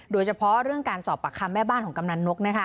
โดยเฉพาะเรื่องการสอบปากคำแม่บ้านของกำนันนก